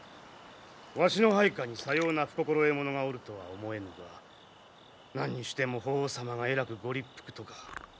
わしの配下にさような不心得者がおるとは思えぬが何にしても法皇様がえらくご立腹とか。